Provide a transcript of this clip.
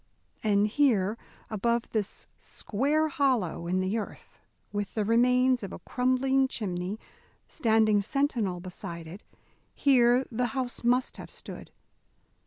And here, above this square hollow in the earth, with the remains of a crumbling chimney standing sentinel beside it, here the house must have stood.